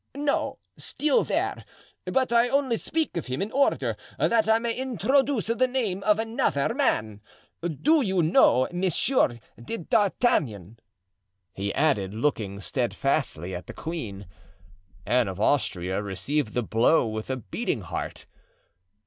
"No; still there, but I only speak of him in order that I may introduce the name of another man. Do you know Monsieur d'Artagnan?" he added, looking steadfastly at the queen. Anne of Austria received the blow with a beating heart.